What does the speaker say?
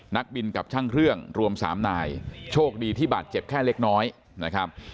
นักบินกับช่างเครื่องรวมสามนายโชคดีที่บาดเจ็บแค่เล็กน้อยนะครับ